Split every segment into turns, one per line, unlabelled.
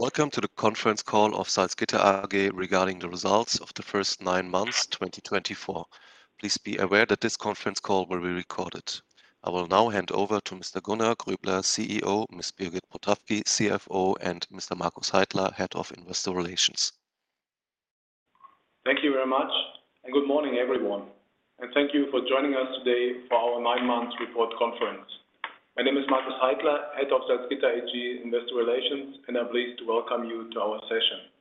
Welcome to the conference call of Salzgitter AG regarding the results of the first nine months 2024. Please be aware that this conference call will be recorded. I will now hand over to Mr. Gunnar Groebler, CEO, Ms. Birgit Potrafki, CFO, and Mr. Markus Heidler, Head of Investor Relations.
Thank you very much, and good morning, everyone. Thank you for joining us today for our nine-month report conference. My name is Markus Heidler, Head of Salzgitter AG Investor Relations, and I'm pleased to welcome you to our session.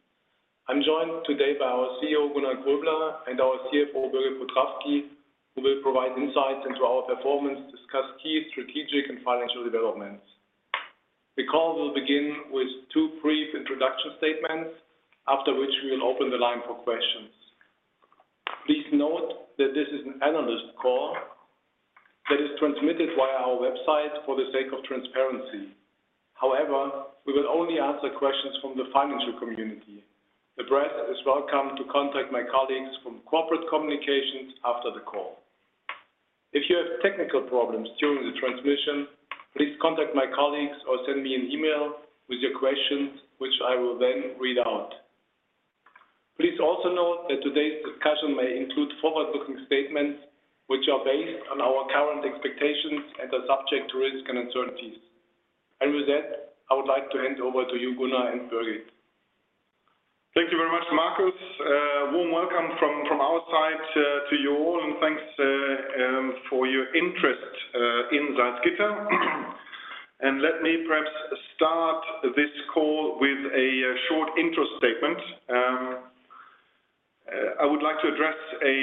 I'm joined today by our CEO, Gunnar Groebler, and our CFO, Birgit Potrafki, who will provide insights into our performance, discuss key strategic and financial developments. The call will begin with two brief introduction statements, after which we will open the line for questions. Please note that this is an analyst call that is transmitted via our website for the sake of transparency. However, we will only answer questions from the financial community. The press is welcome to contact my colleagues from corporate communications after the call. If you have technical problems during the transmission, please contact my colleagues or send me an email with your questions, which I will then read out. Please also note that today's discussion may include forward-looking statements, which are based on our current expectations and are subject to risk and uncertainties. With that, I would like to hand over to you, Gunnar and Birgit.
Thank you very much, Markus. A warm welcome from our side to you all, and thanks for your interest in Salzgitter. And let me perhaps start this call with a short intro statement. I would like to address a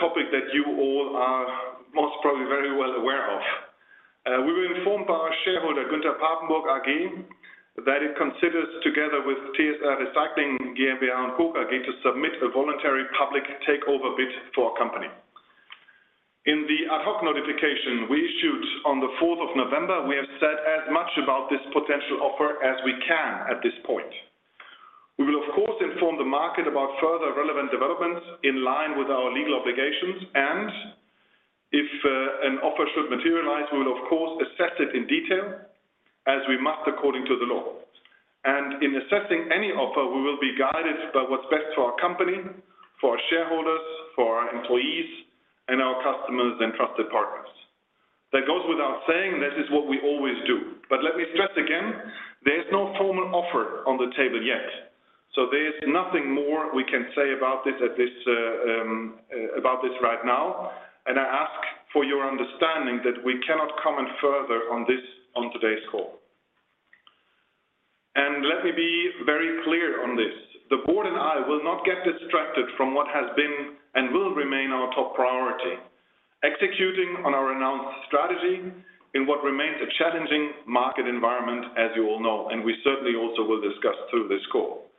topic that you all are most probably very well aware of. We were informed by our shareholder, Günter Papenburg AG, that it considers, together with TSR Recycling GmbH & Co. KG, to submit a voluntary public takeover bid for our company. In the ad hoc notification we issued on the 4th of November, we have said as much about this potential offer as we can at this point. We will, of course, inform the market about further relevant developments in line with our legal obligations, and if an offer should materialize, we will, of course, assess it in detail as we must according to the law. And in assessing any offer, we will be guided by what's best for our company, for our shareholders, for our employees, and our customers and trusted partners. That goes without saying. That is what we always do. But let me stress again, there is no formal offer on the table yet, so there is nothing more we can say about this right now. And I ask for your understanding that we cannot comment further on this on today's call. And let me be very clear on this: the board and I will not get distracted from what has been and will remain our top priority: executing on our announced strategy in what remains a challenging market environment, as you all know, and we certainly also will discuss through this call.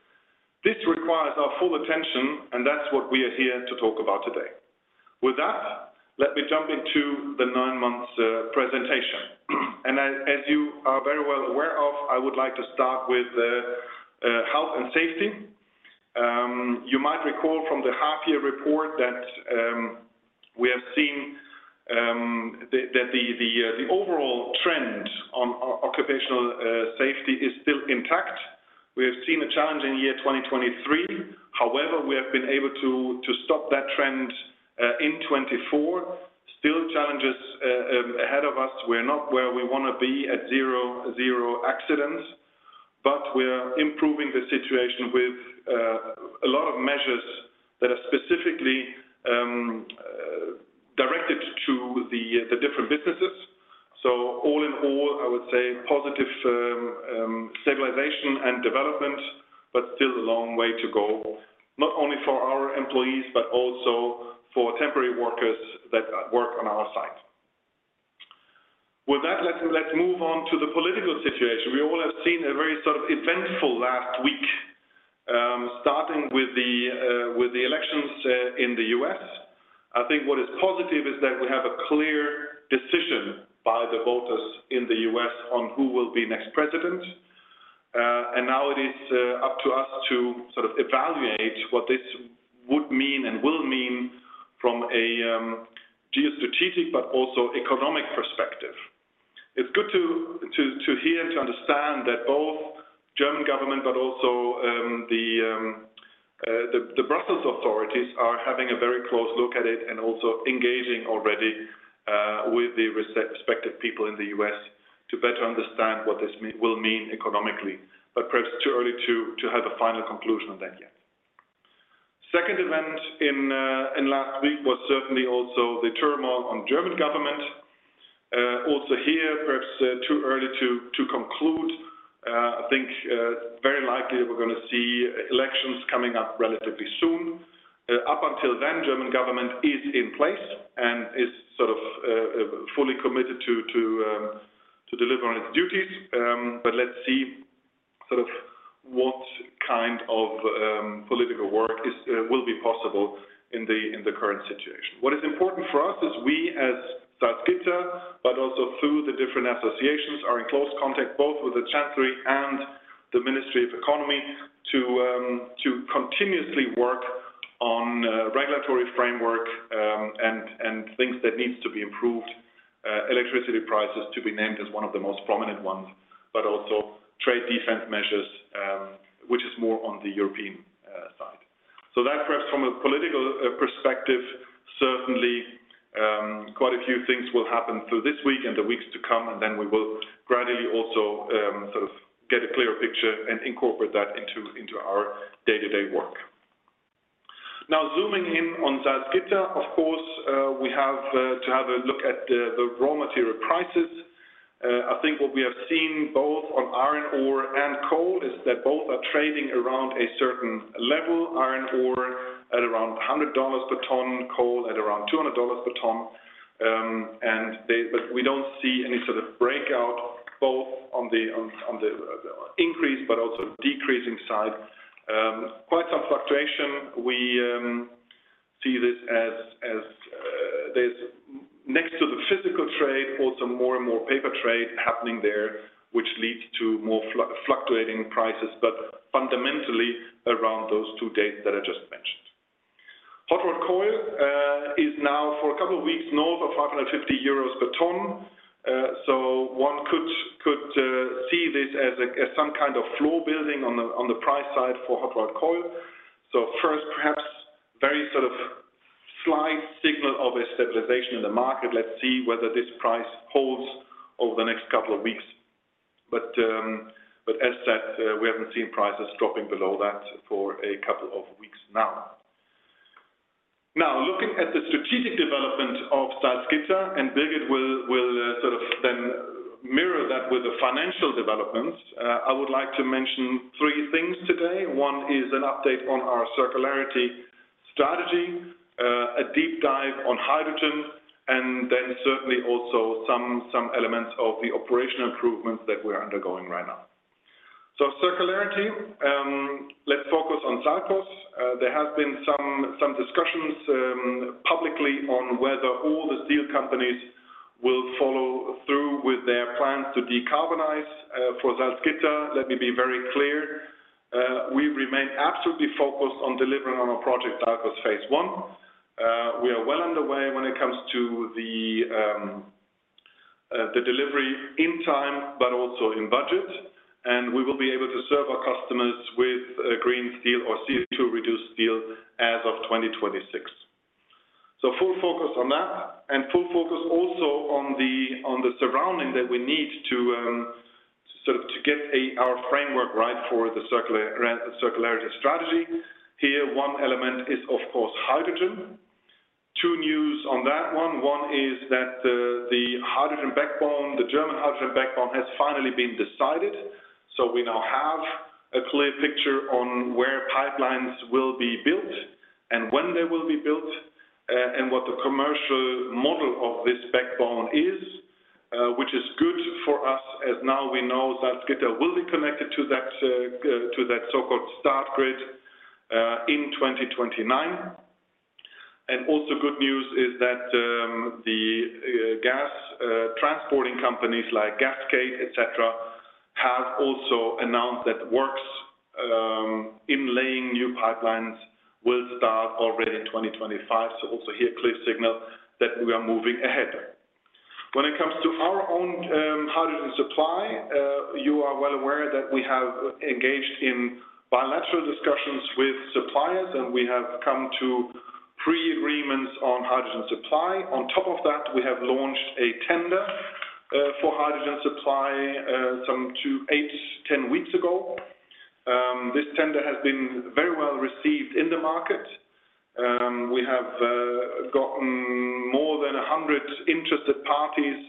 This requires our full attention, and that's what we are here to talk about today. With that, let me jump into the nine-month presentation. And as you are very well aware of, I would like to start with health and safety. You might recall from the half-year report that we have seen that the overall trend on occupational safety is still intact. We have seen a challenge in year 2023. However, we have been able to stop that trend in 2024. Still, challenges ahead of us. We're not where we want to be at zero accidents, but we're improving the situation with a lot of measures that are specifically directed to the different businesses. So all in all, I would say positive stabilization and development, but still a long way to go, not only for our employees but also for temporary workers that work on our side. With that, let's move on to the political situation. We all have seen a very sort of eventful last week, starting with the elections in the U.S. I think what is positive is that we have a clear decision by the voters in the U.S. on who will be next president, and now it is up to us to sort of evaluate what this would mean and will mean from a geostrategic but also economic perspective. It's good to hear and to understand that both the German government but also the Brussels authorities are having a very close look at it and also engaging already with the respective people in the U.S. to better understand what this will mean economically. But perhaps too early to have a final conclusion on that yet. The second event in last week was certainly also the turmoil on the German government. Also here, perhaps too early to conclude. I think very likely we're going to see elections coming up relatively soon. Up until then, the German government is in place and is sort of fully committed to deliver on its duties. But let's see sort of what kind of political work will be possible in the current situation. What is important for us is we, as Salzgitter, but also through the different associations, are in close contact both with the Chancellery and the Ministry of Economy to continuously work on the regulatory framework and things that need to be improved: electricity prices, to be named as one of the most prominent ones, but also trade defense measures, which is more on the European side. So that, perhaps from a political perspective, certainly quite a few things will happen through this week and the weeks to come, and then we will gradually also sort of get a clearer picture and incorporate that into our day-to-day work. Now, zooming in on Salzgitter, of course, we have to have a look at the raw material prices. I think what we have seen both on iron ore and coal is that both are trading around a certain level: iron ore at around $100 per ton, coal at around $200 per ton. But we don't see any sort of breakout both on the increase but also decreasing side. Quite some fluctuation. We see this as there's, next to the physical trade, also more and more paper trade happening there, which leads to more fluctuating prices, but fundamentally around those two rates that I just mentioned. Hot-rolled coil is now, for a couple of weeks, north of 550 euros per ton, so one could see this as some kind of floor building on the price side for hot-rolled coil, so first, perhaps a very sort of slight signal of a stabilization in the market. Let's see whether this price holds over the next couple of weeks, but as said, we haven't seen prices dropping below that for a couple of weeks now. Now, looking at the strategic development of Salzgitter, and Birgit will sort of then mirror that with the financial developments. I would like to mention three things today. One is an update on our circularity strategy, a deep dive on hydrogen, and then certainly also some elements of the operational improvements that we are undergoing right now, so circularity, let's focus on Salzgitter. There have been some discussions publicly on whether all the steel companies will follow through with their plans to decarbonize for Salzgitter. Let me be very clear. We remain absolutely focused on delivering on our project phase I. We are well underway when it comes to the delivery in time, but also in budget, and we will be able to serve our customers with green steel or CO2-reduced steel as of 2026, so full focus on that, and full focus also on the surrounding that we need to sort of get our framework right for the circularity strategy. Here, one element is, of course, hydrogen. Two news on that one. One is that the hydrogen backbone, the German hydrogen backbone, has finally been decided. So we now have a clear picture on where pipelines will be built and when they will be built and what the commercial model of this backbone is, which is good for us as now we know Salzgitter will be connected to that so-called start grid in 2029. And also good news is that the gas transporting companies like GASCADE, etc., have also announced that works in laying new pipelines will start already in 2025. So also here, a clear signal that we are moving ahead. When it comes to our own hydrogen supply, you are well aware that we have engaged in bilateral discussions with suppliers, and we have come to pre-agreements on hydrogen supply. On top of that, we have launched a tender for hydrogen supply some eight to 10 weeks ago. This tender has been very well received in the market. We have gotten more than 100 interested parties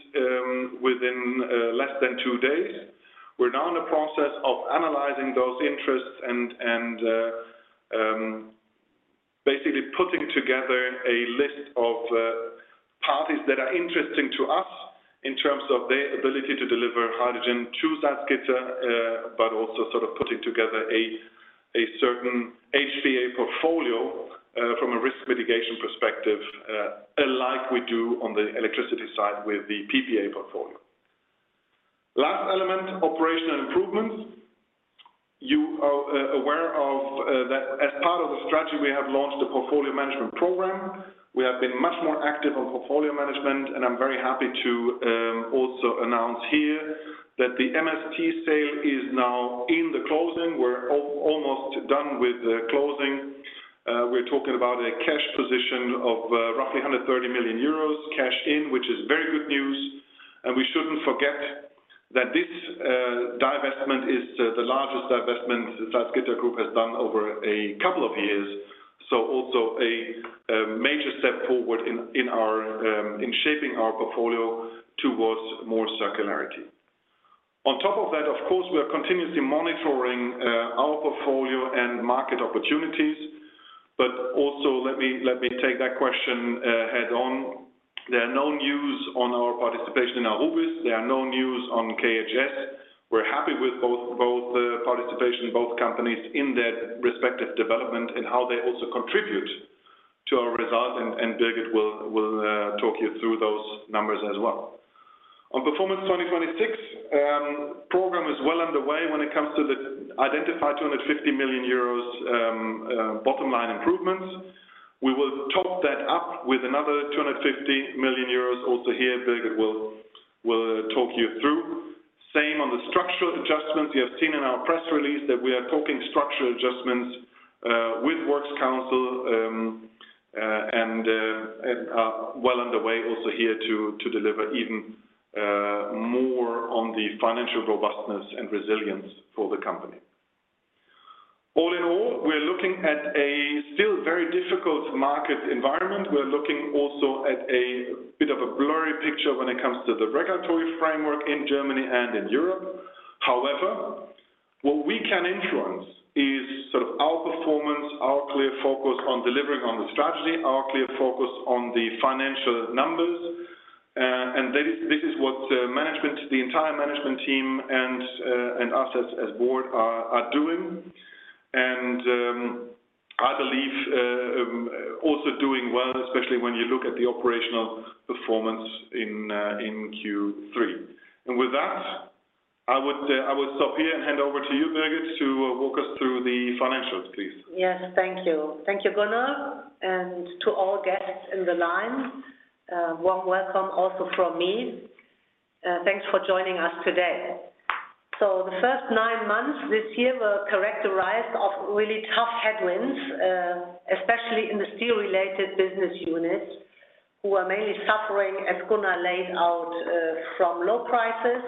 within less than two days. We're now in the process of analyzing those interests and basically putting together a list of parties that are interesting to us in terms of their ability to deliver hydrogen to Salzgitter, but also sort of putting together a certain HPA portfolio from a risk mitigation perspective, like we do on the electricity side with the PPA portfolio. Last element, operational improvements. You are aware of that as part of the strategy, we have launched a portfolio management program. We have been much more active on portfolio management, and I'm very happy to also announce here that the MST sale is now in the closing. We're almost done with the closing. We're talking about a cash position of roughly 130 million euros, cash in, which is very good news. And we shouldn't forget that this divestment is the largest divestment Salzgitter Group has done over a couple of years. So also a major step forward in shaping our portfolio towards more circularity. On top of that, of course, we are continuously monitoring our portfolio and market opportunities. But also, let me take that question head-on. There are no news on our participation in Aurubis. There are no news on KHS. We're happy with both participation, both companies in their respective development and how they also contribute to our result. And Birgit will talk you through those numbers as well. On Performance 2026 program is well underway when it comes to the identified 250 million euros bottom line improvements. We will top that up with another 250 million euros also here. Birgit will talk you through. Same on the structural adjustments. You have seen in our press release that we are talking structural adjustments with Works Council and are well underway also here to deliver even more on the financial robustness and resilience for the company. All in all, we are looking at a still very difficult market environment. We are looking also at a bit of a blurry picture when it comes to the regulatory framework in Germany and in Europe. However, what we can influence is sort of our performance, our clear focus on delivering on the strategy, our clear focus on the financial numbers. And this is what management, the entire management team and us as board are doing. And I believe also doing well, especially when you look at the operational performance in Q3. And with that, I would stop here and hand over to you, Birgit, to walk us through the financials, please.
Yes, thank you. Thank you, Gunnar, and to all guests in the line. Warm welcome also from me. Thanks for joining us today. So the first nine months this year were characterized by really tough headwinds, especially in the steel-related business units who are mainly suffering, as Gunnar laid out, from low prices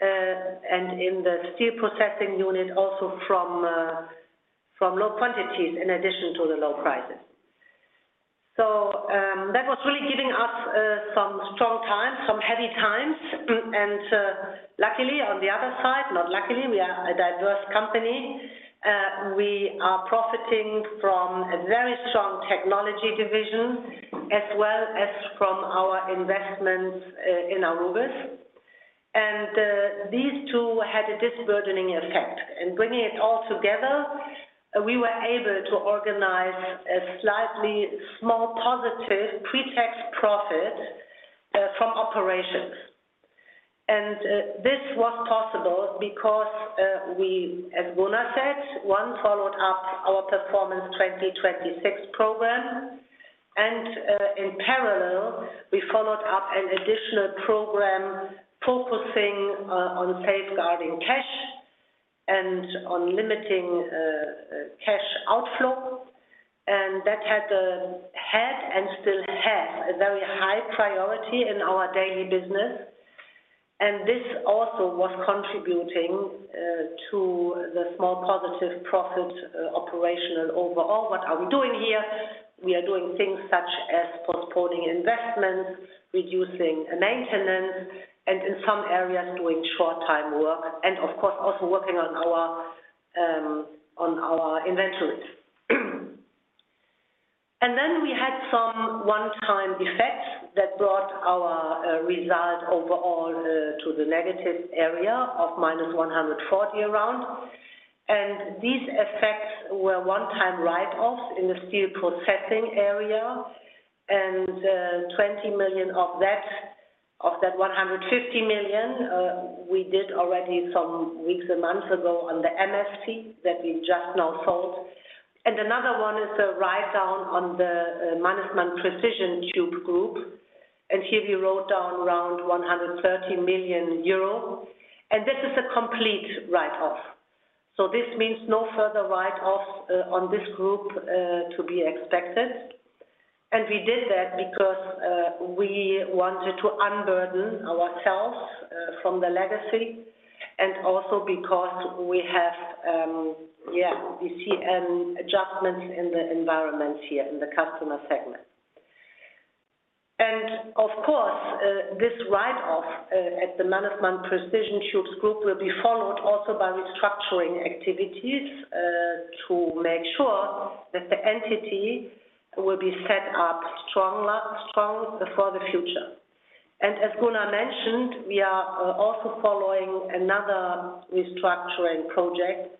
and in the steel processing unit also from low quantities in addition to the low prices. So that was really giving us some strong times, some heavy times. And luckily, on the other side, not luckily, we are a diverse company. We are profiting from a very strong technology division as well as from our investments in Aurubis. And these two had a disburdening effect. And bringing it all together, we were able to organize a slightly small positive pre-tax profit from operations. And this was possible because we, as Gunnar said, one, followed up our Performance 2026 program. In parallel, we followed up an additional program focusing on safeguarding cash and on limiting cash outflow. That had and still has a very high priority in our daily business. This also was contributing to the small positive profit operational overall. What are we doing here? We are doing things such as postponing investments, reducing maintenance, and in some areas, doing short-time work, and of course, also working on our inventories. Then we had some one-time effects that brought our result overall to the negative area of - 140 million around. These effects were one-time write-offs in the steel processing area. 20 million of that 150 million we did already some weeks and months ago on the MST that we just now sold. Another one is a write-down on the Mannesmann Precision Tubes. Here we wrote down around 130 million euro. This is a complete write-off. This means no further write-offs on this group to be expected. We did that because we wanted to unburden ourselves from the legacy and also because we have, yeah, we see adjustments in the environment here in the customer segment. Of course, this write-off at the Mannesmann Precision Tubes Group will be followed also by restructuring activities to make sure that the entity will be set up strong for the future. As Gunnar mentioned, we are also following another restructuring project,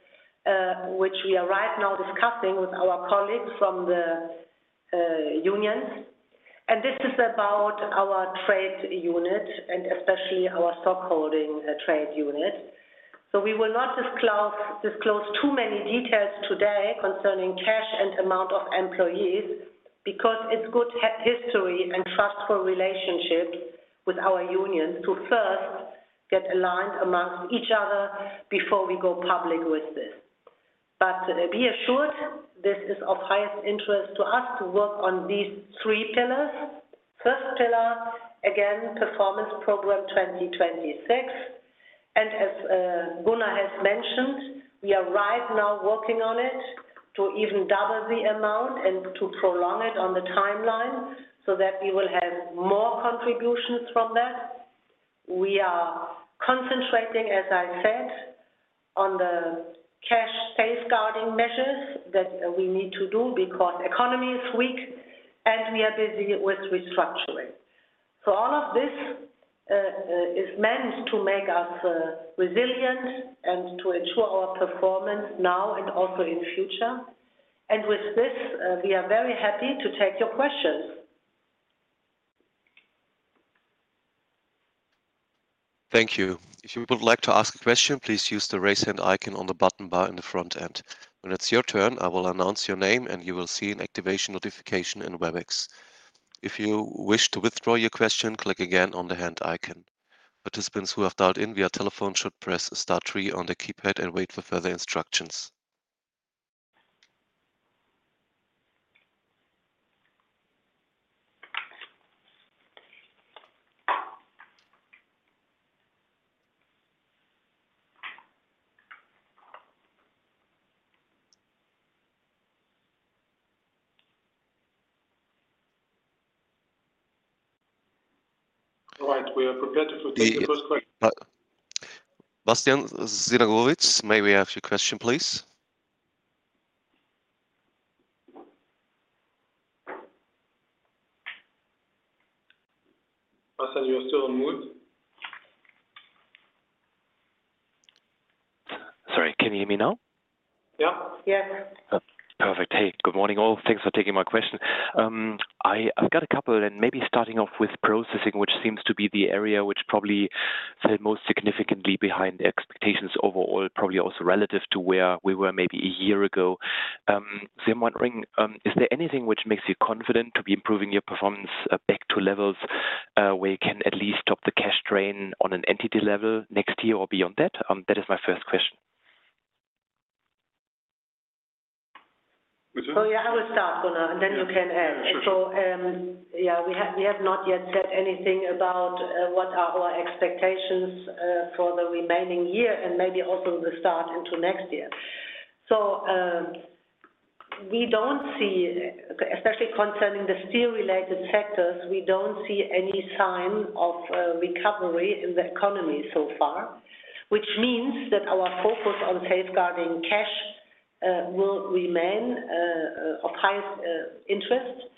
which we are right now discussing with our colleagues from the unions. This is about our trade unit and especially our stockholding trade unit. So we will not disclose too many details today concerning cash and amount of employees because it's good history and trustful relationships with our unions to first get aligned amongst each other before we go public with this. But be assured, this is of highest interest to us to work on these three pillars. First pillar, again, Performance 2026. And as Gunnar has mentioned, we are right now working on it to even double the amount and to prolong it on the timeline so that we will have more contributions from that. We are concentrating, as I said, on the cash safeguarding measures that we need to do because the economy is weak and we are busy with restructuring. So all of this is meant to make us resilient and to ensure our performance now and also in future. And with this, we are very happy to take your questions.
Thank you. If you would like to ask a question, please use the raise hand icon on the button bar in the front end. When it's your turn, I will announce your name and you will see an activation notification in Webex. If you wish to withdraw your question, click again on the hand icon. Participants who have dialed in via telephone should press the star three on the keypad and wait for further instructions. All right. We are prepared to take the first question. Bastian Synagowitz, may we ask your question, please?
Bastian, you are still on mute?
Sorry, can you hear me now?
Yeah.
Yes.
Perfect. Hey, good morning all. Thanks for taking my question. I've got a couple and maybe starting off with processing, which seems to be the area which probably fell most significantly behind expectations overall, probably also relative to where we were maybe a year ago. So I'm wondering, is there anything which makes you confident to be improving your performance back to levels where you can at least stop the cash drain on an entity level next year or beyond that? That is my first question.
Well, yeah, I will start, Gunnar, and then you can end. So yeah, we have not yet said anything about what are our expectations for the remaining year and maybe also the start into next year. So we don't see, especially concerning the steel-related sectors, we don't see any sign of recovery in the economy so far, which means that our focus on safeguarding cash will remain of highest interest.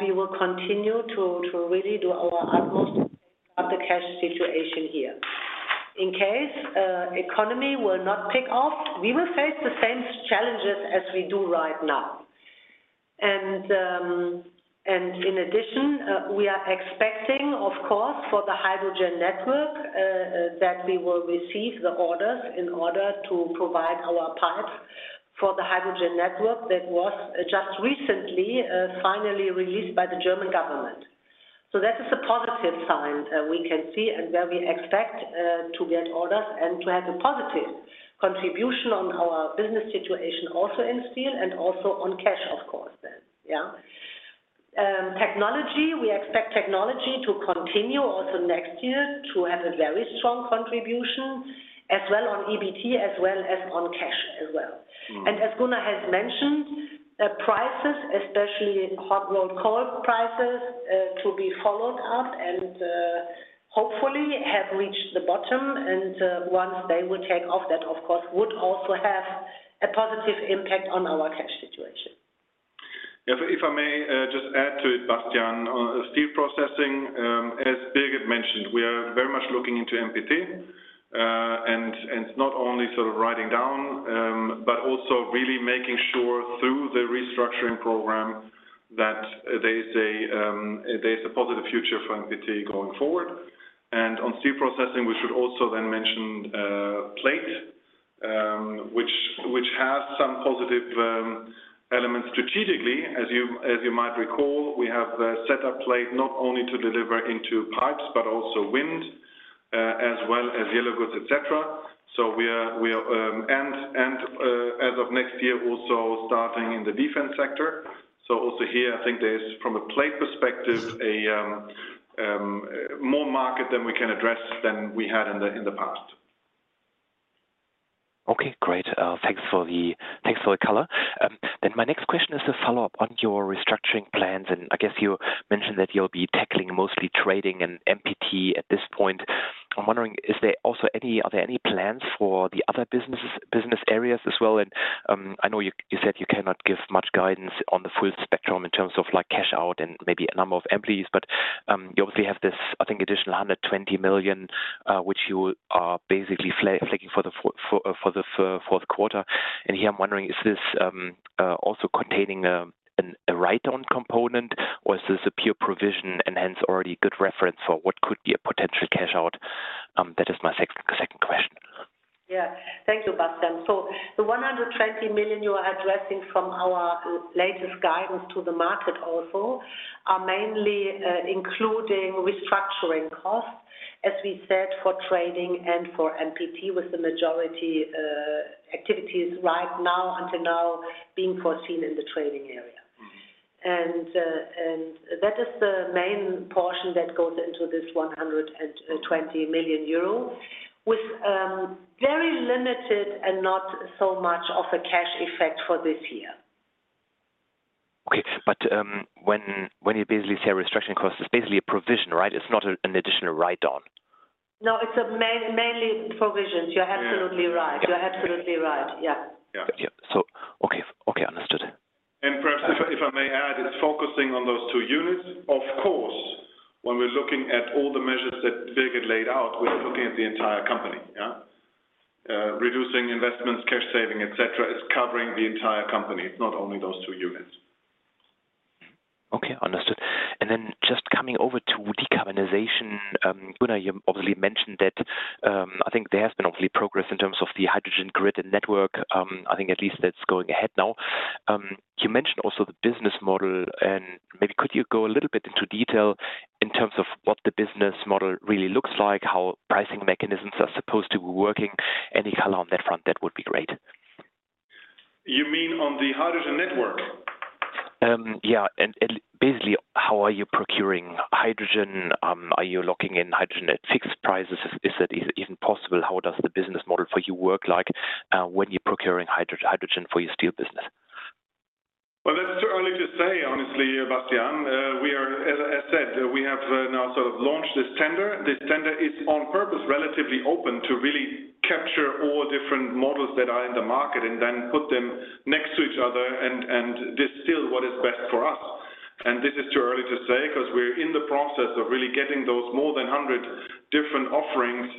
We will continue to really do our utmost to safeguard the cash situation here. In case the economy will not pick up, we will face the same challenges as we do right now. In addition, we are expecting, of course, for the hydrogen network that we will receive the orders in order to provide our pipes for the hydrogen network that was just recently finally released by the German government, so that is a positive sign we can see and where we expect to get orders and to have a positive contribution on our business situation also in steel and also on cash, of course, then. Yeah. Technology, we expect technology to continue also next year to have a very strong contribution as well on EBT as well as on cash as well. And as Gunnar has mentioned, prices, especially hot-rolled coil prices, to be followed up and hopefully have reached the bottom. And once they will take off, that, of course, would also have a positive impact on our cash situation.
If I may just add to it, Bastian, steel processing, as Birgit mentioned, we are very much looking into MPT and not only sort of writing down, but also really making sure through the restructuring program that there is a positive future for MPT going forward. And on steel processing, we should also then mention plate, which has some positive elements strategically. As you might recall, we have set up plate not only to deliver into pipes, but also wind as well as yellow goods, etc. So we are, and as of next year, also starting in the defense sector. So also here, I think there is, from a plate perspective, a bigger market than we can address than we had in the past.
Okay, great. Thanks for the color. Then my next question is a follow-up on your restructuring plans. And I guess you mentioned that you'll be tackling mostly trading and MPT at this point. I'm wondering, are there any plans for the other business areas as well? And I know you said you cannot give much guidance on the full spectrum in terms of cash out and maybe a number of employees, but you obviously have this, I think, additional 120 million, which you are basically booking for the fourth quarter. And here, I'm wondering, is this also containing a write-down component, or is this a pure provision and hence already a good reference for what could be a potential cash out? That is my second question.
Yeah. Thank you, Bastian. So the 120 million you are addressing from our latest guidance to the market also are mainly including restructuring costs, as we said, for trading and for MPT with the majority activities right now, until now, being foreseen in the trading area, and that is the main portion that goes into this 120 million euro with very limited and not so much of a cash effect for this year.
Okay, but when you basically say restructuring costs, it's basically a provision, right? It's not an additional write-down.
No, it's mainly provisions. You're absolutely right. You're absolutely right. Yeah.
Yeah. Okay. Okay. Understood.
And perhaps if I may add, it's focusing on those two units. Of course, when we're looking at all the measures that Birgit laid out, we're looking at the entire company. Yeah. Reducing investments, cash saving, etc. is covering the entire company. It's not only those two units.
Okay. Understood. And then just coming over to decarbonization, Gunnar, you obviously mentioned that I think there has been obviously progress in terms of the hydrogen grid and network. I think at least that's going ahead now. You mentioned also the business model. And maybe could you go a little bit into detail in terms of what the business model really looks like, how pricing mechanisms are supposed to be working? Any color on that front, that would be great.
You mean on the hydrogen network?
Yeah. And basically, how are you procuring hydrogen? Are you locking in hydrogen at fixed prices? Is that even possible? How does the business model for you work like when you're procuring hydrogen for your steel business?
Well, that's too early to say, honestly, Bastian. As I said, we have now sort of launched this tender. This tender is on purpose relatively open to really capture all different models that are in the market and then put them next to each other and distill what is best for us. And this is too early to say because we're in the process of really getting those more than 100 different offerings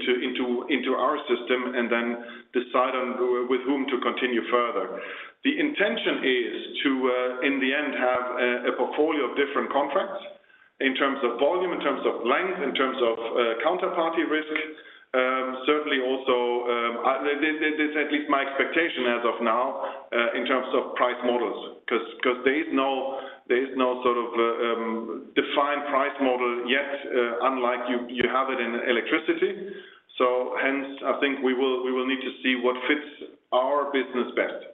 into our system and then decide with whom to continue further. The intention is to, in the end, have a portfolio of different contracts in terms of volume, in terms of length, in terms of counterparty risk. Certainly also, this is at least my expectation as of now in terms of price models because there is no sort of defined price model yet, unlike you have it in electricity. So hence, I think we will need to see what fits our business best.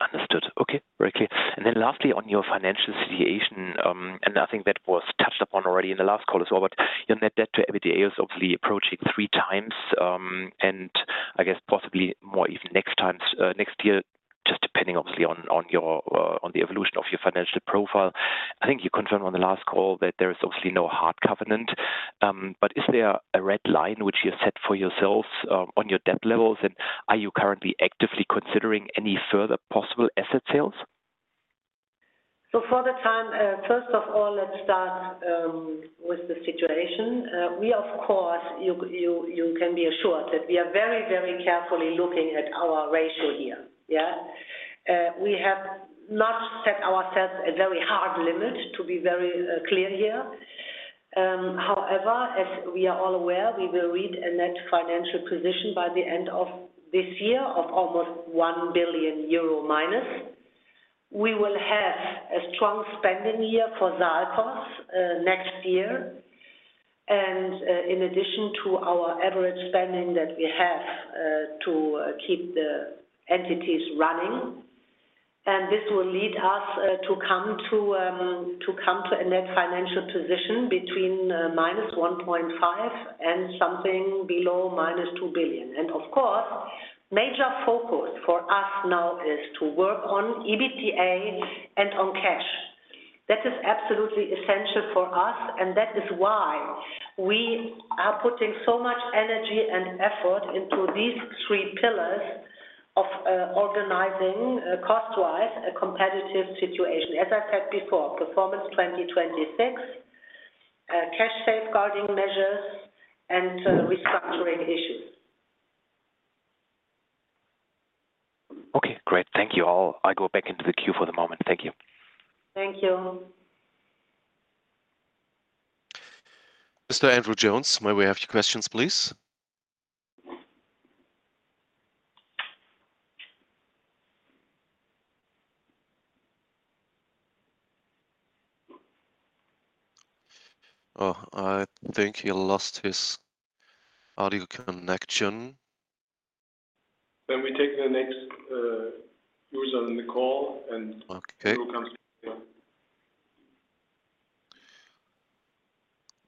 Understood. Okay. Very clear. Then lastly, on your financial situation, and I think that was touched upon already in the last call as well, but your net debt to EBITDA is obviously approaching three times. And I guess possibly more even next year just depending obviously on the evolution of your financial profile. I think you confirmed on the last call that there is obviously no hard covenant. But is there a red line which you set for yourselves on your debt levels? And are you currently actively considering any further possible asset sales?
So for the time, first of all, let's start with the situation. We, of course, you can be assured that we are very, very carefully looking at our ratio here. Yeah. We have not set ourselves a very hard limit, to be very clear here. However, as we are all aware, we will reach a net financial position by the end of this year of almost 1 billion euro-. We will have a strong spending year for SALCOS next year. And in addition to our average spending that we have to keep the entities running. And this will lead us to come to a net financial position between -1.5 billion and something below -2 billion. And of course, major focus for us now is to work on EBITDA and on cash. That is absolutely essential for us. And that is why we are putting so much energy and effort into these three pillars of organizing cost-wise a competitive situation. As I said before, Performance 2026, cash safeguarding measures, and restructuring issues.
Okay. Great. Thank you all. I go back into the queue for the moment. Thank you.
Thank you
Mr. Andrew Jones, may we have your questions, please? Oh, I think he lost his audio connection.
Then we take the next user in the call and who comes in.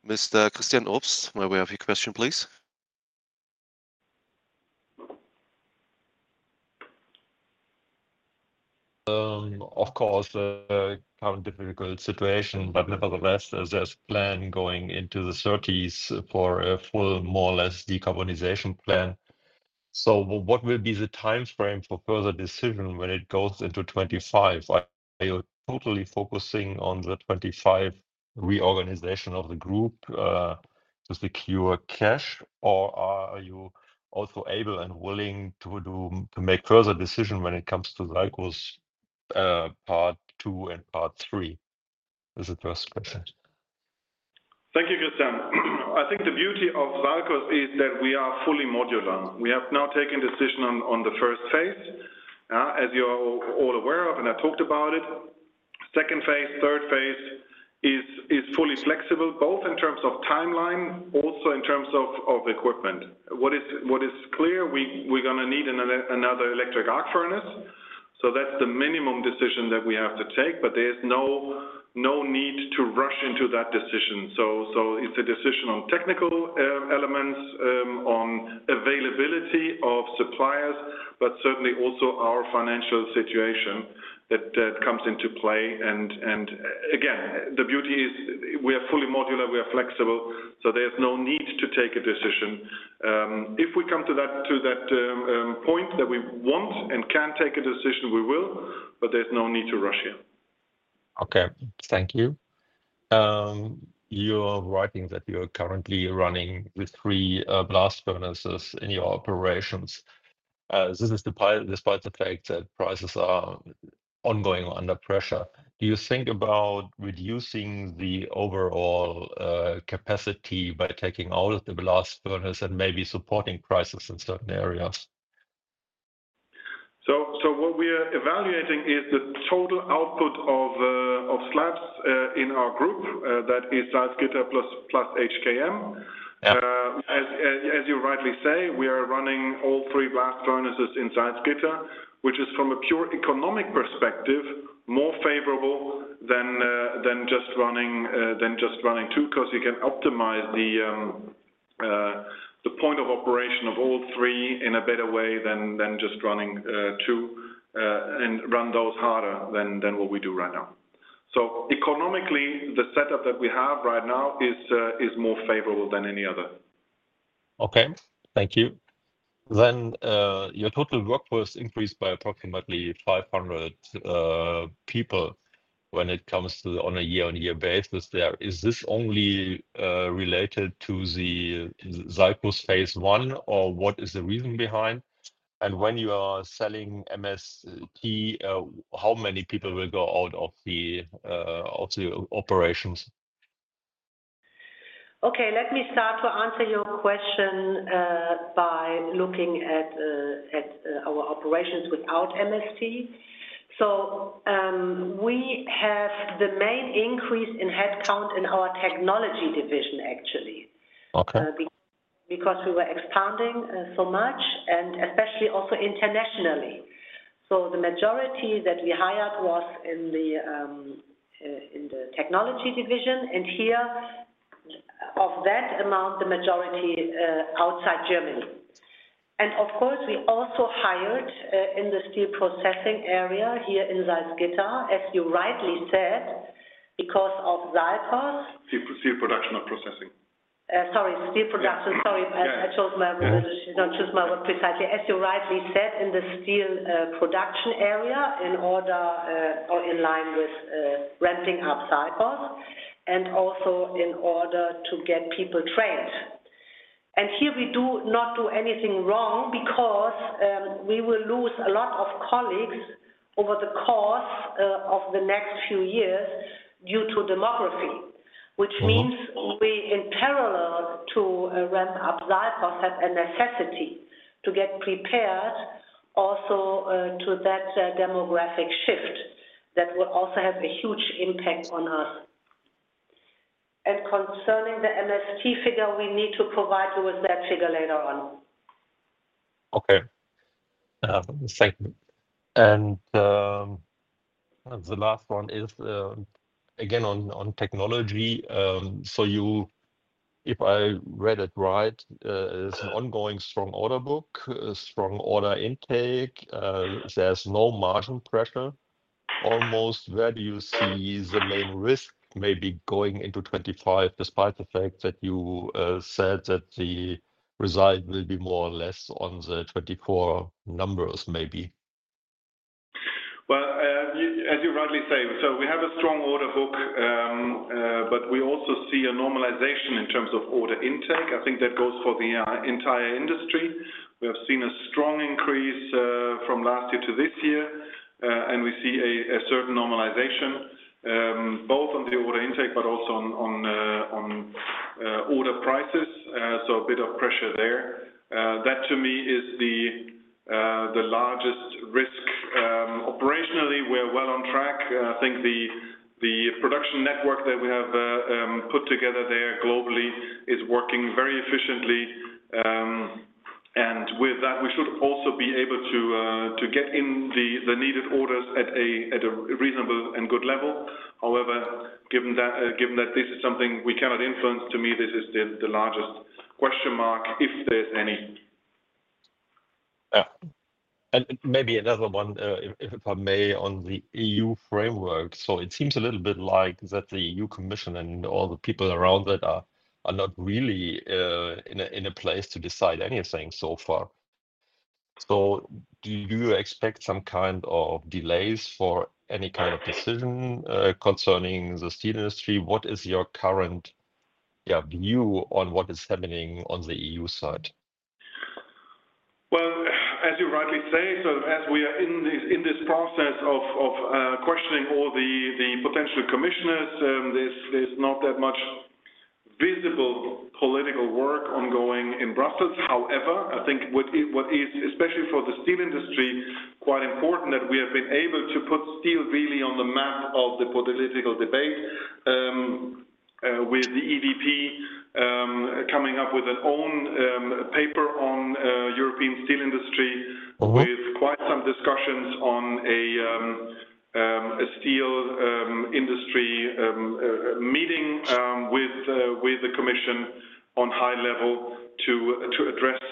Mr. Christian Obst, may we have your question, please?
Of course, a kind of difficult situation, but nevertheless, there's a plan going into the 2030s for a full, more or less decarbonization plan. So what will be the time frame for further decision when it goes into 25? Are you totally focusing on the 2025 reorganization of the group to secure cash, or are you also able and willing to make further decisions when it comes to SALCOS part two and part three? This is the first question.
Thank you, Christian. I think the beauty of SALCOS is that we are fully modular. We have now taken decision on the first phase, as you're all aware of, and I talked about it. Second phase, third phase is fully flexible, both in terms of timeline, also in terms of equipment. What is clear, we're going to need another electric arc furnace. So that's the minimum decision that we have to take, but there's no need to rush into that decision. So it's a decision on technical elements, on availability of suppliers, but certainly also our financial situation that comes into play. And again, the beauty is we are fully modular, we are flexible, so there's no need to take a decision. If we come to that point that we want and can take a decision, we will, but there's no need to rush here.
Okay. Thank you. You are right that you're currently running the three blast furnaces in your operations. This is despite the fact that prices are ongoing under pressure. Do you think about reducing the overall capacity by taking out of the blast furnace and maybe supporting prices in certain areas?
So what we are evaluating is the total output of slabs in our group, that is Salzgitter plus HKM. As you rightly say, we are running all three blast furnaces in Salzgitter, which is from a pure economic perspective, more favorable than just running two because you can optimize the point of operation of all three in a better way than just running two and run those harder than what we do right now. So economically, the setup that we have right now is more favorable than any other.
Okay. Thank you. Then your total workforce increased by approximately 500 people when it comes to on a year-on-year basis there. Is this only related to the SALCOS phase I, or what is the reason behind? And when you are selling MST, how many people will go out of the operations?
Okay. Let me start to answer your question by looking at our operations without MST. So we have the main increase in headcount in our technology division, actually, because we were expanding so much, and especially also internationally. So the majority that we hired was in the technology division. And here, of that amount, the majority outside Germany. And of course, we also hired in the steel processing area here in Salzgitter, as you rightly said, because of SALCOS.
Steel production or processing?
Sorry, steel production. Sorry, I chose my words precisely. As you rightly said, in the steel production area in order or in line with ramping up SALCOS and also in order to get people trained. And here, we do not do anything wrong because we will lose a lot of colleagues over the course of the next few years due to demography, which means we, in parallel to ramp up SALCOS, have a necessity to get prepared also to that demographic shift that will also have a huge impact on us. And concerning the MST figure, we need to provide you with that figure later on.
Okay. Thank you. And the last one is, again, on technology. So if I read it right, it's an ongoing strong order book, strong order intake. There's no margin pressure. Almost where do you see the main risk maybe going into 2025, despite the fact that you said that the result will be more or less on the 2024 numbers maybe?
As you rightly say, so we have a strong order book, but we also see a normalization in terms of order intake. I think that goes for the entire industry. We have seen a strong increase from last year to this year, and we see a certain normalization both on the order intake but also on order prices. So a bit of pressure there. That, to me, is the largest risk. Operationally, we're well on track. I think the production network that we have put together there globally is working very efficiently. And with that, we should also be able to get in the needed orders at a reasonable and good level. However, given that this is something we cannot influence, to me, this is the largest question mark, if there's any.
Maybe another one, if I may, on the EU framework. So it seems a little bit like that the EU Commission and all the people around it are not really in a place to decide anything so far. So do you expect some kind of delays for any kind of decision concerning the steel industry? What is your current view on what is happening on the EU side?
Well, as you rightly say, so as we are in this process of questioning all the potential commissioners, there's not that much visible political work ongoing in Brussels. However, I think what is especially for the steel industry quite important that we have been able to put steel really on the map of the political debate with the EDP coming up with an own paper on European steel industry with quite some discussions on a steel industry meeting with the Commission on high level to address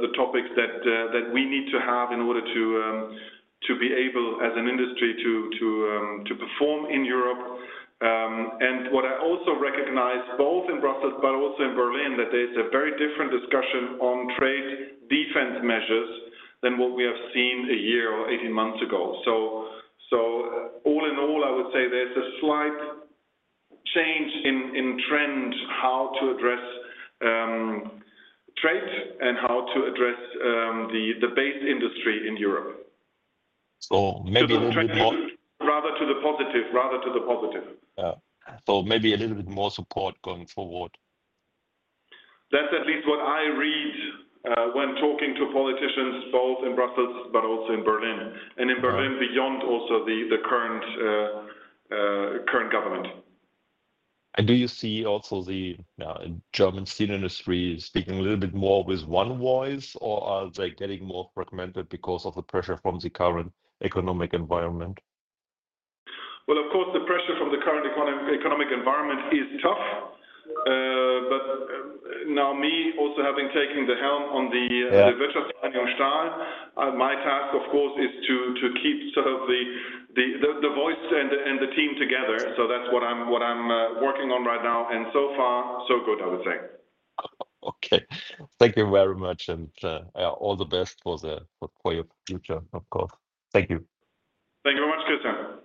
the topics that we need to have in order to be able, as an industry, to perform in Europe. And what I also recognize, both in Brussels but also in Berlin, that there's a very different discussion on trade defense measures than what we have seen a year or 18 months ago. So all in all, I would say there's a slight change in trend how to address trade and how to address the base industry in Europe. So maybe a little bit more. Rather to the positive, rather to the positive.
So maybe a little bit more support going forward.
That's at least what I read when talking to politicians, both in Brussels but also in Berlin. And in Berlin, beyond also the current government.
And do you see also the German steel industry speaking a little bit more with one voice, or are they getting more fragmented because of the pressure from the current economic environment?
Well, of course, the pressure from the current economic environment is tough. But now, me also having taken the helm on the Wirtschaftsvereinigung Stahl, my task, of course, is to keep sort of the voice and the team together. So that's what I'm working on right now. And so far, so good, I would say.
Okay. Thank you very much. And all the best for your future, of course. Thank you.
Thank you very much, Christian.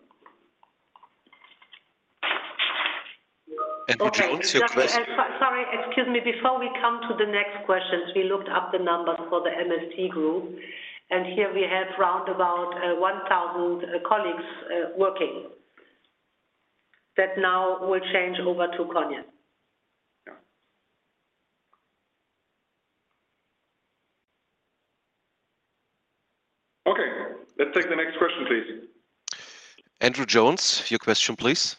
And we'll jump to the question.
Sorry, excuse me. Before we come to the next questions, we looked up the numbers for the MST group. And here we have around 1,000 colleagues working there now will change over to Cogne.
Okay. Let's take the next question, please.
Andrew Jones, your question, please.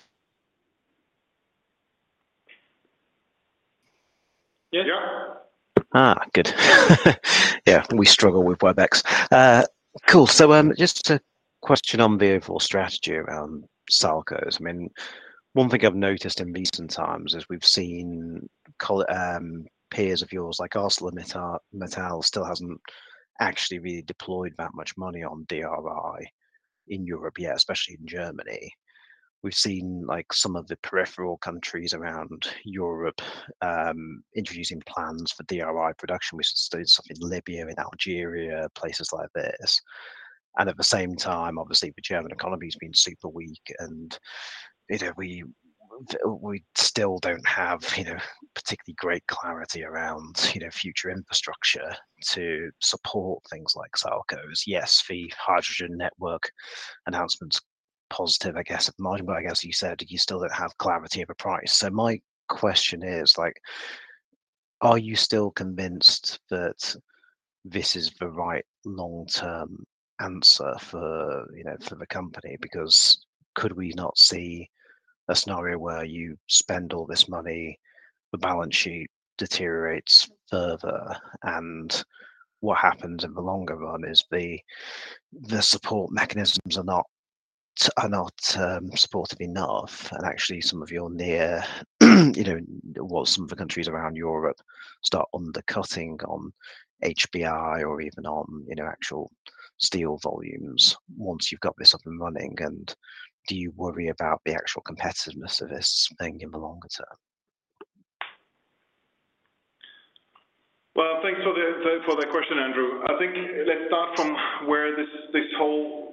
Yes. Yeah. Good. Yeah, we struggle with Webex. Cool. So just a question on the overall strategy around SALCOS. I mean, one thing I've noticed in recent times is we've seen peers of yours like ArcelorMittal still hasn't actually really deployed that much money on DRI in Europe, yeah, especially in Germany. We've seen some of the peripheral countries around Europe introducing plans for DRI production. We've seen something in Libya, in Algeria, places like this. And at the same time, obviously, the German economy has been super weak, and we still don't have particularly great clarity around future infrastructure to support things like SALCOS. Yes, the hydrogen network announcement's positive, I guess, at the moment, but I guess you said you still don't have clarity of a price. So my question is, are you still convinced that this is the right long-term answer for the company? Because could we not see a scenario where you spend all this money, the balance sheet deteriorates further, and what happens in the longer run is the support mechanisms are not supportive enough? And actually, some of your near what some of the countries around Europe start undercutting on HBI or even on actual steel volumes once you've got this up and running? And do you worry about the actual competitiveness of this thing in the longer term?
Thanks for the question, Andrew. I think let's start from where this whole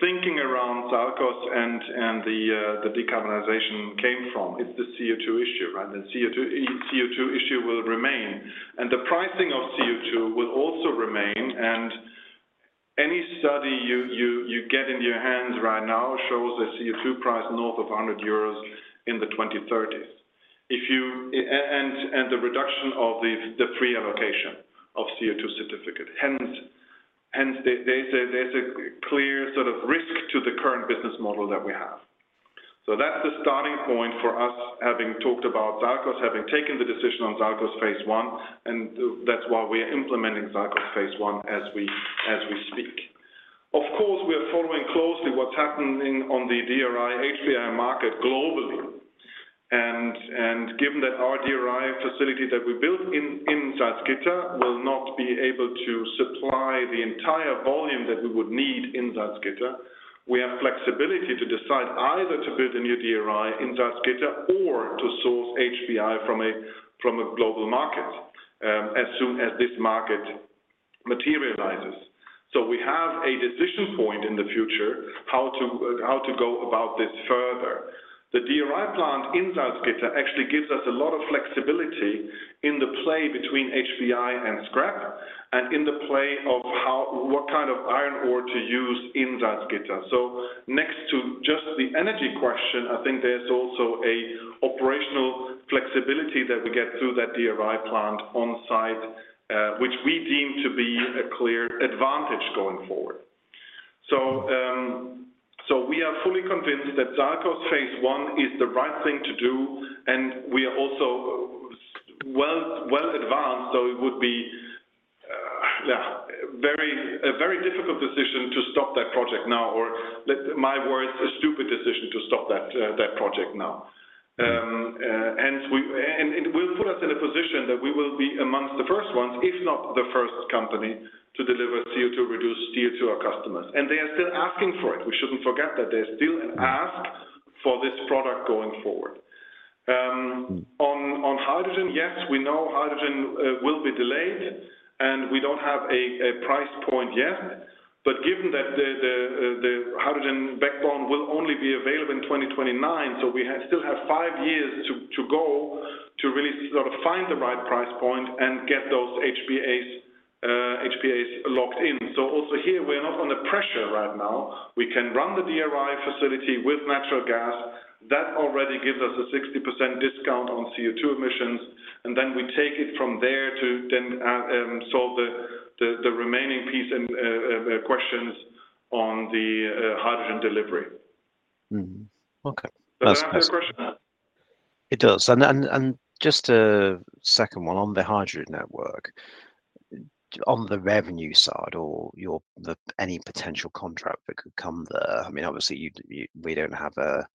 thinking around SALCOS and the decarbonization came from. It's the CO2 issue, right? The CO2 issue will remain. And the pricing of CO2 will also remain. And any study you get in your hands right now shows a CO2 price north of 100 euros in the 2030s and the reduction of the free allocation of CO2 certificate. Hence, there's a clear sort of risk to the current business model that we have. So that's the starting point for us having talked about SALCOS, having taken the decision on SALCOS phase I, and that's why we are implementing SALCOS phase I as we speak. Of course, we are following closely what's happening on the DRI HBI market globally. Given that our DRI facility that we built in Salzgitter will not be able to supply the entire volume that we would need in Salzgitter, we have flexibility to decide either to build a new DRI in Salzgitter or to source HBI from a global market as soon as this market materializes. We have a decision point in the future how to go about this further. The DRI plant in Salzgitter actually gives us a lot of flexibility in the play between HBI and scrap and in the play of what kind of iron ore to use in Salzgitter. Next to just the energy question, I think there's also an operational flexibility that we get through that DRI plant on site, which we deem to be a clear advantage going forward. We are fully convinced that SALCOS phase I is the right thing to do, and we are also well advanced, so it would be a very difficult decision to stop that project now or, my words, a stupid decision to stop that project now. And it will put us in a position that we will be amongst the first ones, if not the first company, to deliver CO2-reduced steel to our customers. And they are still asking for it. We shouldn't forget that there's still an ask for this product going forward. On hydrogen, yes, we know hydrogen will be delayed, and we don't have a price point yet. But given that the hydrogen backbone will only be available in 2029, so we still have five years to go to really sort of find the right price point and get those HPAs locked in. So also here, we're not under pressure right now. We can run the DRI facility with natural gas. That already gives us a 60% discount on CO2 emissions. And then we take it from there to then solve the remaining piece and questions on the hydrogen delivery.
Okay.
That's a good question.
It does. And just a second one on the hydrogen network. On the revenue side or any potential contract that could come there, I mean, obviously, we don't have a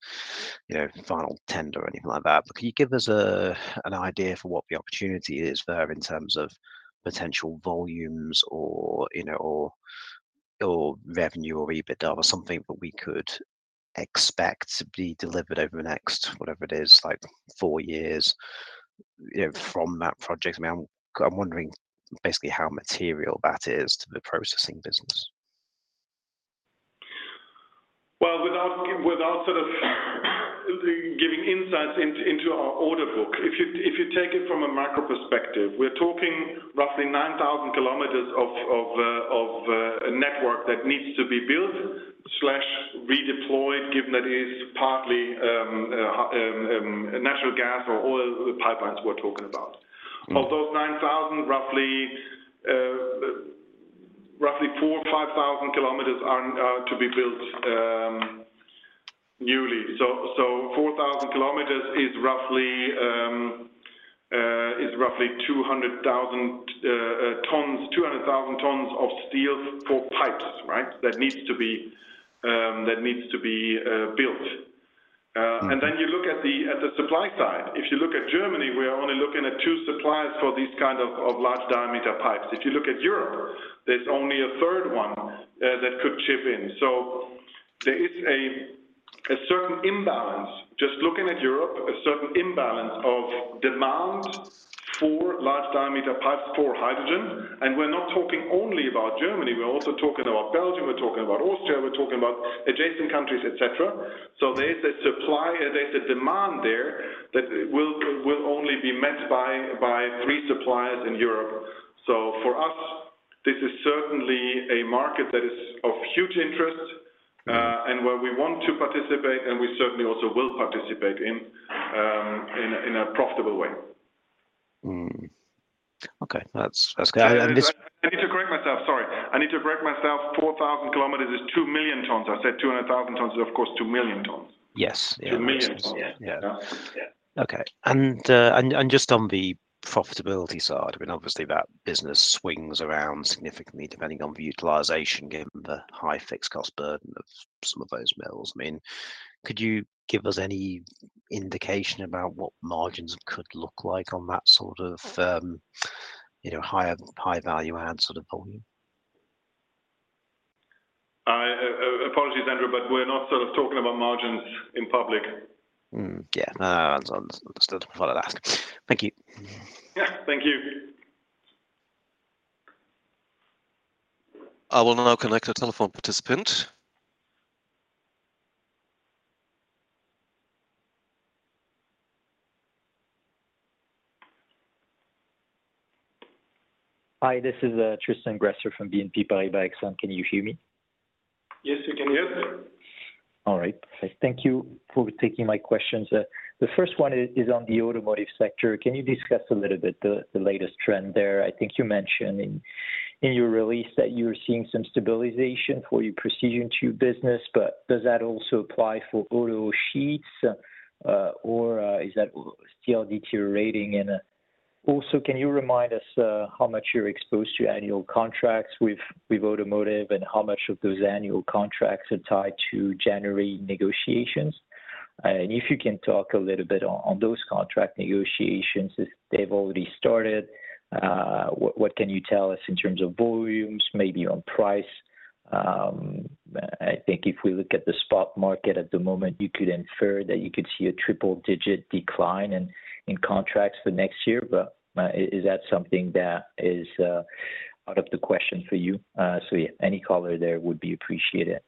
final tender or anything like that. But can you give us an idea for what the opportunity is there in terms of potential volumes or revenue or EBITDA or something that we could expect to be delivered over the next, whatever it is, like four years from that project? I mean, I'm wondering basically how material that is to the processing business.
Without sort of giving insights into our order book, if you take it from a macro perspective, we're talking roughly 9,000 kilometers of network that needs to be built/redeployed, given that it is partly natural gas or oil pipelines we're talking about. Of those 9,000 kilometers, roughly 4,000 kilometers or 5,000 kilometers are to be built newly. 4,000 kilometers is roughly 200,000 tons of steel for pipes, right, that needs to be built. Then you look at the supply side. If you look at Germany, we are only looking at two suppliers for these kinds of large diameter pipes. If you look at Europe, there's only a third one that could chip in. There is a certain imbalance, just looking at Europe, a certain imbalance of demand for large diameter pipes for hydrogen. We're not talking only about Germany. We're also talking about Belgium. We're talking about Austria. We're talking about adjacent countries, etc. So there's a supply and there's a demand there that will only be met by three suppliers in Europe. So for us, this is certainly a market that is of huge interest and where we want to participate, and we certainly also will participate in a profitable way.
Okay. That's good.
I need to correct myself. Sorry. I need to correct myself. 4,000 kilometers is 2 million tons. I said 200,000 tons is, of course, 2 million tons.
Yes. 2 million tons. Yeah. Yeah. Okay. And just on the profitability side, I mean, obviously, that business swings around significantly depending on the utilization given the high fixed cost burden of some of those mills. I mean, could you give us any indication about what margins could look like on that sort of high-value-add sort of volume?
Apologies, Andrew, but we're not sort of talking about margins in public.
Yeah. No, no, no. Understood. I'll just ask. Thank you.
Yeah. Thank you.
I will now connect a telephone participant.
Hi, this is Tristan Gresser from BNP Paribas Exane. Can you hear me?
Yes, we can hear you.
All right. Perfect. Thank you for taking my questions. The first one is on the automotive sector. Can you discuss a little bit the latest trend there? I think you mentioned in your release that you're seeing some stabilization for your precision tube business, but does that also apply for auto sheets, or is that still deteriorating? And also, can you remind us how much you're exposed to annual contracts with automotive and how much of those annual contracts are tied to January negotiations? And if you can talk a little bit on those contract negotiations, they've already started. What can you tell us in terms of volumes, maybe on price? I think if we look at the spot market at the moment, you could infer that you could see a triple-digit decline in contracts for next year. But is that something that is out of the question for you? So yeah, any color there would be appreciated.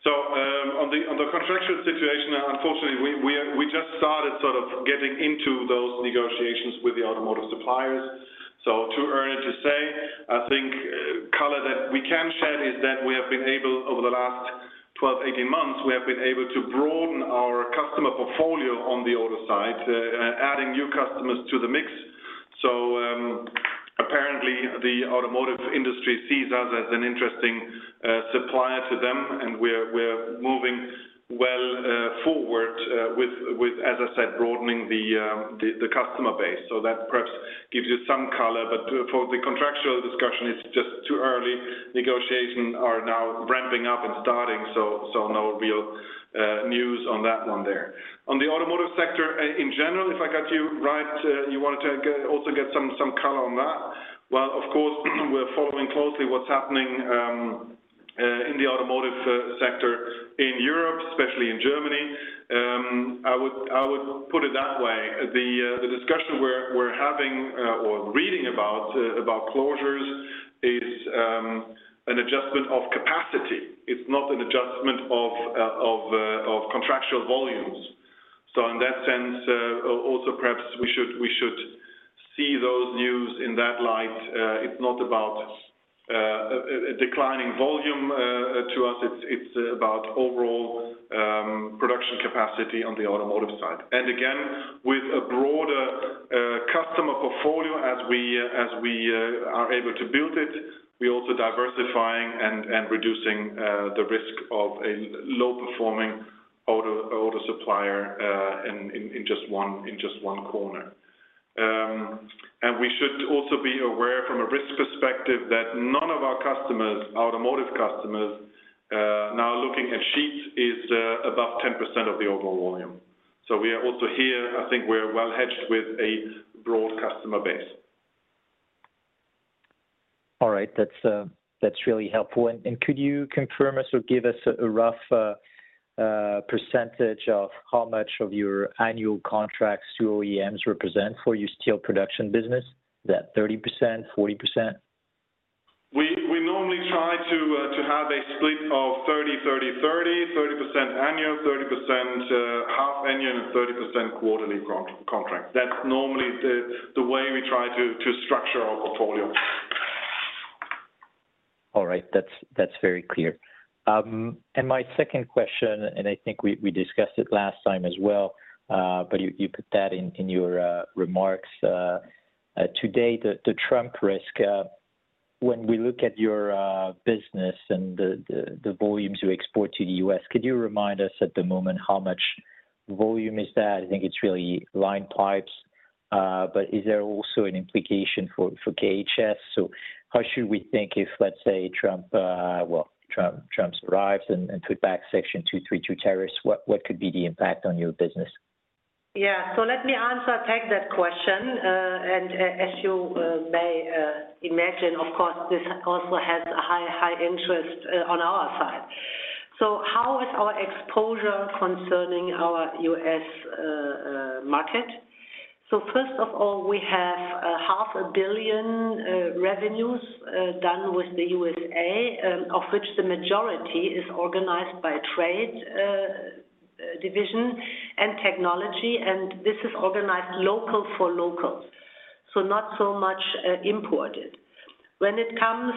So on the contractual situation, unfortunately, we just started sort of getting into those negotiations with the automotive suppliers. So too early to say. I think color that we can shed is that we have been able, over the last 12, 18 months, we have been able to broaden our customer portfolio on the auto side, adding new customers to the mix. So apparently, the automotive industry sees us as an interesting supplier to them, and we're moving well forward with, as I said, broadening the customer base. So that perhaps gives you some color. But for the contractual discussion, it's just too early. Negotiations are now ramping up and starting, so no real news on that one there. On the automotive sector in general, if I got you right, you wanted to also get some color on that. Well, of course, we're following closely what's happening in the automotive sector in Europe, especially in Germany. I would put it that way. The discussion we're having or reading about closures is an adjustment of capacity. It's not an adjustment of contractual volumes. So in that sense, also perhaps we should see those news in that light. It's not about declining volume to us. It's about overall production capacity on the automotive side. And again, with a broader customer portfolio as we are able to build it, we're also diversifying and reducing the risk of a low-performing auto supplier in just one corner. And we should also be aware from a risk perspective that none of our customers, automotive customers, now looking at sheets is above 10% of the overall volume. So we are also here, I think we're well hedged with a broad customer base.
All right. That's really helpful. And could you confirm us or give us a rough percentage of how much of your annual contracts through OEMs represent for your steel production business? Is that 30%, 40%?
We normally try to have a split of 30%, 30%, 30%, 30% annual, 30% half-annual, and 30% quarterly contracts. That's normally the way we try to structure our portfolio.
All right. That's very clear. And my second question, and I think we discussed it last time as well, but you put that in your remarks today, the Trump risk. When we look at your business and the volumes you export to the U.S., could you remind us at the moment how much volume is that? I think it's really line pipes. But is there also an implication for KHS? So how should we think if, let's say, Trump, well, Trump arrives and put back Section 232 tariffs? What could be the impact on your business?
Yeah. So let me answer take that question. And as you may imagine, of course, this also has a high interest on our side. So how is our exposure concerning our U.S. market? So first of all, we have 500 million revenues done with the U.S., of which the majority is organized by trade division and technology. This is organized local for locals, so not so much imported. When it comes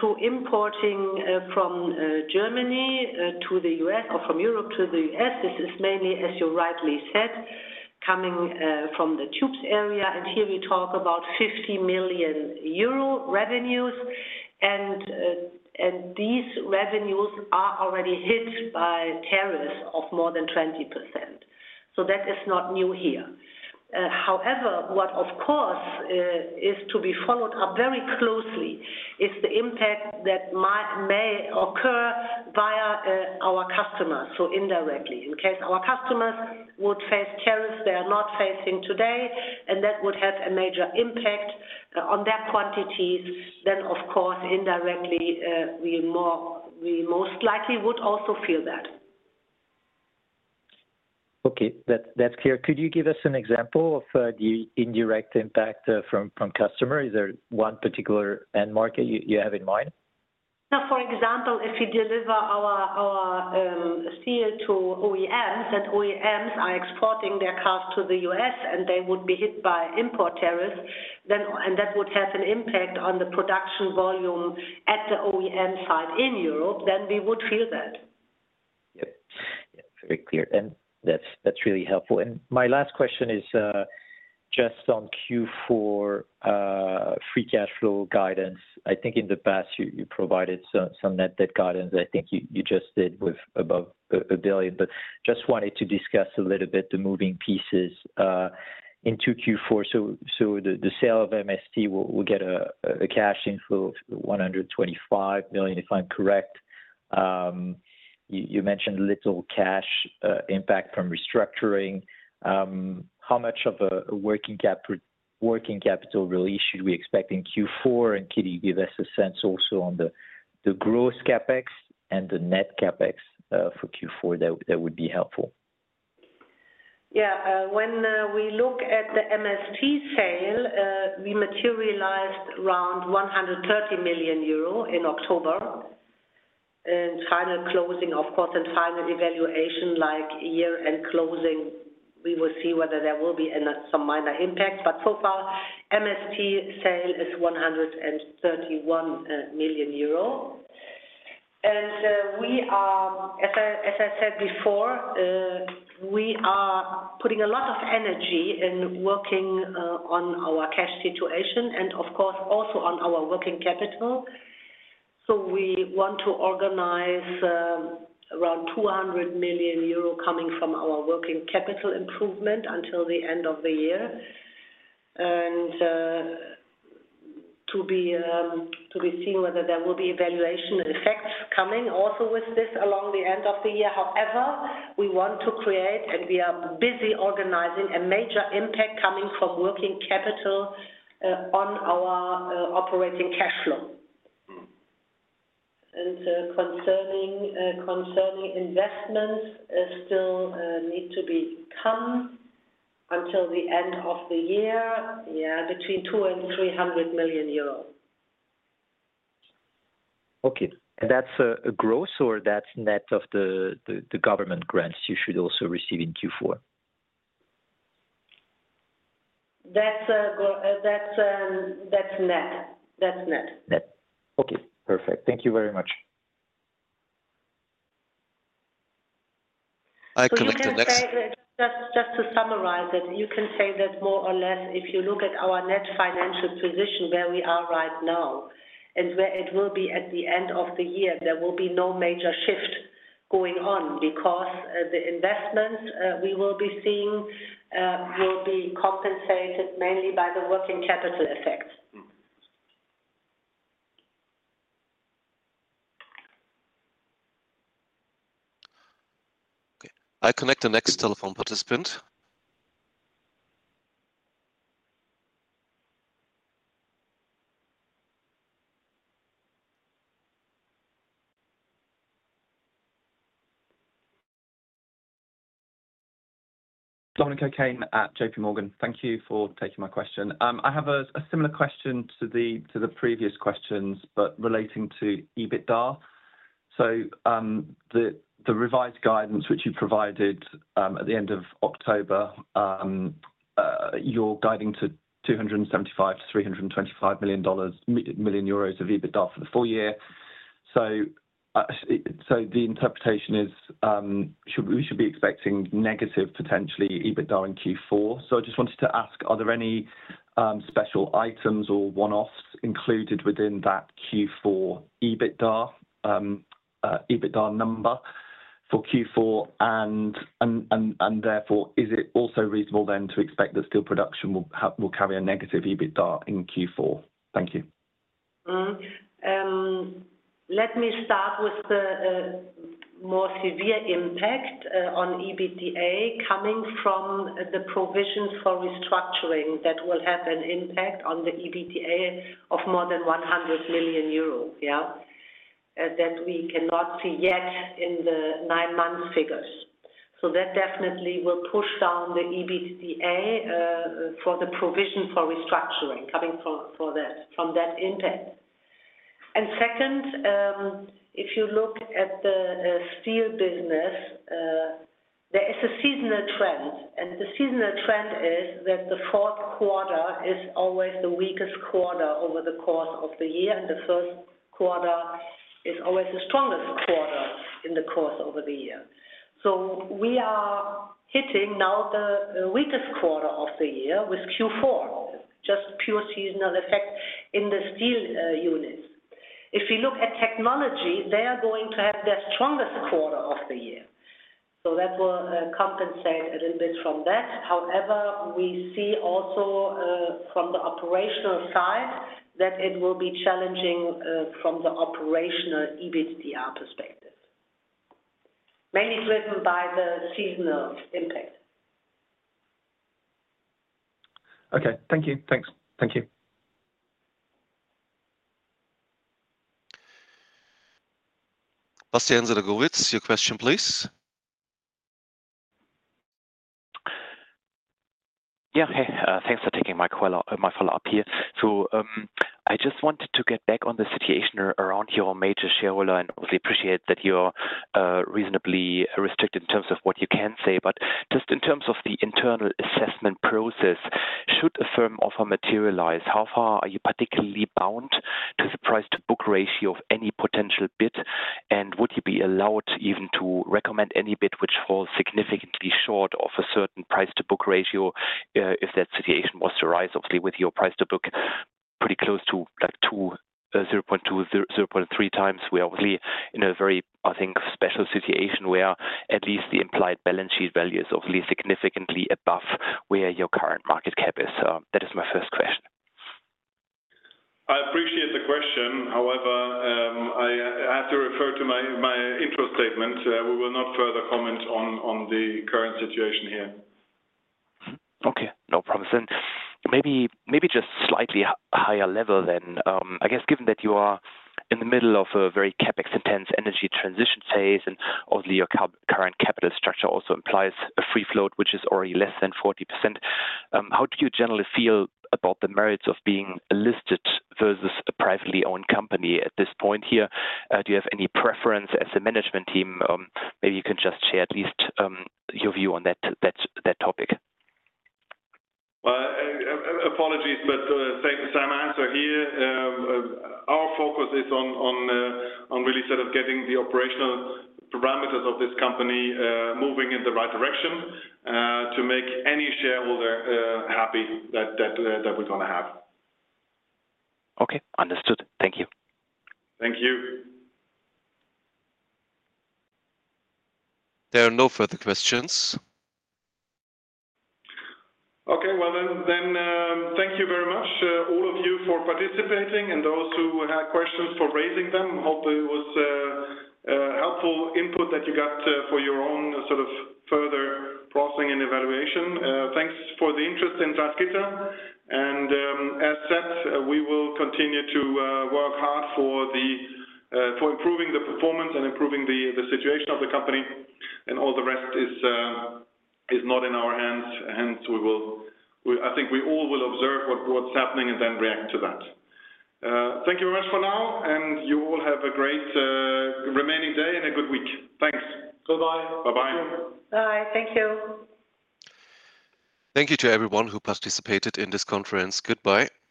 to importing from Germany to the U.S. or from Europe to the U.S., this is mainly, as you rightly said, coming from the tubes area. And here we talk about 50 million euro revenues. And these revenues are already hit by tariffs of more than 20%. That is not new here. However, what, of course, is to be followed up very closely is the impact that may occur via our customers, so indirectly. In case our customers would face tariffs they are not facing today, and that would have a major impact on their quantities, then, of course, indirectly, we most likely would also feel that.
Okay. That's clear. Could you give us an example of the indirect impact from customers? Is there one particular end market you have in mind?
For example, if we deliver our steel to OEMs, and OEMs are exporting their cars to the U.S., and they would be hit by import tariffs, and that would have an impact on the production volume at the OEM site in Europe, then we would feel that.
Yep. Yeah. Very clear. And that's really helpful. And my last question is just on Q4 Free Cash Flow guidance. I think in the past, you provided some net debt guidance. I think you just did with above 1 billion. But just wanted to discuss a little bit the moving pieces into Q4. So the sale of MST will get a cash inflow of 125 million, if I'm correct. You mentioned little cash impact from restructuring. How much of a working capital release should we expect in Q4? Could you give us a sense also on the gross CapEx and the net CapEx for Q4 that would be helpful?
Yeah. When we look at the MST sale, we materialized around 130 million euro in October. And final closing, of course, and final valuation like year-end closing, we will see whether there will be some minor impact. But so far, MST sale is 131 million euro. And as I said before, we are putting a lot of energy in working on our cash situation and, of course, also on our working capital. So we want to organize around 200 million euro coming from our working capital improvement until the end of the year and to be seen whether there will be valuation effects coming also with this along the end of the year. However, we want to create, and we are busy organizing a major impact coming from working capital on our operating cash flow. And concerning investments, still need to become until the end of the year, between 200 million and 300 million euros.
Okay. And that's gross or that's net of the government grants you should also receive in Q4?
That's net.
Okay. Perfect. Thank you very much.
I can make the next.
Just to summarize it, you can say that more or less, if you look at our net financial position where we are right now and where it will be at the end of the year, there will be no major shift going on because the investments we will be seeing will be compensated mainly by the working capital effect.
Okay. I connect the next telephone participant.
Dominic OKane at JPMorgan. Thank you for taking my question. I have a similar question to the previous questions, but relating to EBITDA. So the revised guidance which you provided at the end of October, you're guiding to EUR 275 million-EUR 325 million of EBITDA for the full year. So the interpretation is we should be expecting negative potentially EBITDA in Q4. So I just wanted to ask, are there any special items or one-offs included within that Q4 EBITDA number for Q4? And therefore, is it also reasonable then to expect that steel production will carry a negative EBITDA in Q4? Thank you.
Let me start with the more severe impact on EBITDA coming from the provisions for restructuring that will have an impact on the EBITDA of more than 100 million euros, yeah, that we cannot see yet in the nine-month figures. So that definitely will push down the EBITDA for the provision for restructuring coming from that impact. And second, if you look at the steel business, there is a seasonal trend. And the seasonal trend is that the fourth quarter is always the weakest quarter over the course of the year, and the first quarter is always the strongest quarter in the course over the year. So we are hitting now the weakest quarter of the year with Q4, just pure seasonal effect in the steel units. If you look at technology, they are going to have their strongest quarter of the year. So that will compensate a little bit from that. However, we see also from the operational side that it will be challenging from the operational EBITDA perspective, mainly driven by the seasonal impact.
Okay. Thank you. Thanks. Thank you.
Bastian Synagowitz, your question, please. Yeah.
Thanks for taking my follow-up here. So I just wanted to get back on the situation around your major shareholder. And obviously, I appreciate that you're reasonably restricted in terms of what you can say. But just in terms of the internal assessment process, should a firm offer materialize, how far are you particularly bound to the price-to-book ratio of any potential bid? And would you be allowed even to recommend any bid which falls significantly short of a certain price-to-book ratio if that situation was to arise, obviously, with your price-to-book pretty close to 0.2x-0.3x? We're obviously in a very, I think, special situation where at least the implied balance sheet value is obviously significantly above where your current market cap is. That is my first question.
I appreciate the question. However, I have to refer to my intro statement. We will not further comment on the current situation here.
Okay. No problem. So maybe just slightly higher level then. I guess given that you are in the middle of a very CapEx-intense energy transition phase, and obviously, your current capital structure also implies a free float which is already less than 40%, how do you generally feel about the merits of being listed versus a privately owned company at this point here? Do you have any preference as a management team? Maybe you can just share at least your view on that topic.
Well, apologies, but same answer here. Our focus is on really sort of getting the operational parameters of this company moving in the right direction to make any shareholder happy that we're going to have.
Okay. Understood. Thank you.
Thank you.
There are no further questions. Okay.
Well, then thank you very much, all of you, for participating. And those who had questions, for raising them. Hope it was helpful input that you got for your own sort of further processing and evaluation. Thanks for the interest in Salzgitter. And as said, we will continue to work hard for improving the performance and improving the situation of the company. And all the rest is not in our hands. Hence, I think we all will observe what's happening and then react to that. Thank you very much for now. And you all have a great remaining day and a good week. Thanks. Bye-bye. Bye-bye.
Bye. Thank you.
Thank you to everyone who participated in this conference. Goodbye.